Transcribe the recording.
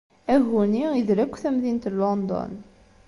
Agu-nni idel akk tamdint n London.